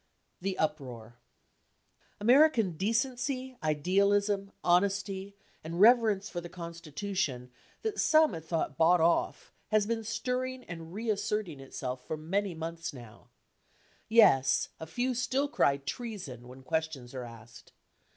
THE UPROAR American decency, idealism, honesty and reverence for the Consti tution that some had thought bought off has been stirring and reassert ing itself for many months now. Yes, a few still cry treason when questions are asked.